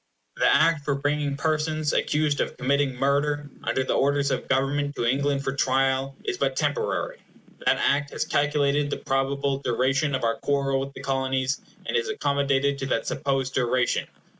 The Act for bringing persons accused of committing murder, under the orders of Government to England for trial, is but temporary. That Act has calculated the probable duration of our quarrel with the Colonies, and is accommodated to that supposed duration.